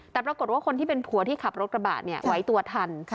แต่ปรากฏว่าคนที่เป็นผัวที่ขับรถกระบะไว้ตัวทัน